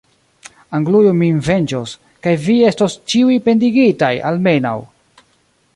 Anglujo min venĝos, kaj vi estos ĉiuj pendigitaj, almenaŭ!